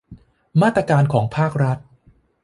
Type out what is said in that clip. มาตรการของภาครัฐ